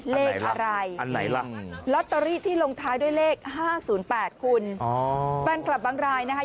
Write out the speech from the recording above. เลขอะไรอันไหนล่ะลอตเตอรี่ที่ลงท้ายด้วยเลข๕๐๘คุณแฟนคลับบางรายนะคะ